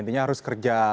intinya harus kerja